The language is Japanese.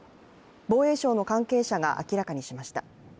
防衛省の関係者が明らかにしました。